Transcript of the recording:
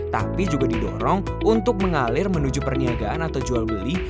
tapi juga didorong untuk mengalir menuju perniagaan atau jual beli